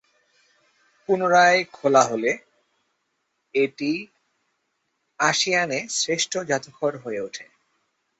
পুনরায় খোলা হলে, এটি আসিয়ান এ শ্রেষ্ঠ জাদুঘর হয়ে ওঠে।